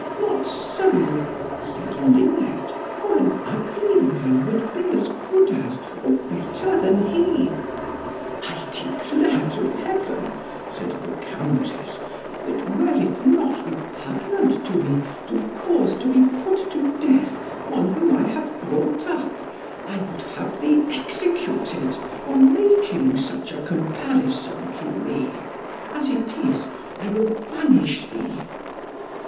"Not so," said Luned, "for an ugly man would be as good as, or better than he." "I declare to heaven," said the Countess, "that were it not repugnant to me to cause to be put to death one whom I have brought up, I would have thee executed, for making such a comparison to me. As it is, I will banish thee."